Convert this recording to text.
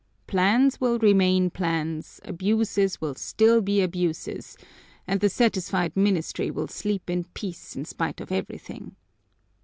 Plans will remain plans, abuses will still be abuses, and the satisfied ministry will sleep in peace in spite of everything.